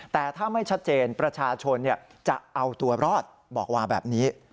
แต่ถ้าไม่ชัดเจนประชาชนจะเอาตัวรอดบอกว่าแบบนี้